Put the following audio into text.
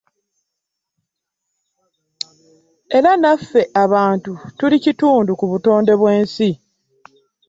Era nnaffe abantu tuli kitundu ku butonde bwensi.